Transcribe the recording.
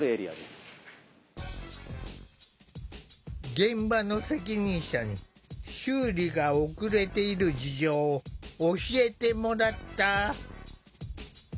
現場の責任者に修理が遅れている事情を教えてもらった。